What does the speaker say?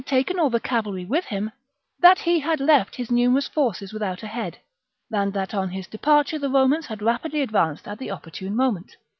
taken all the cavalry with him ; that he had left his numerous forces without a head ; and that on his departure the Romans had rapidly advanced at the opportune moment.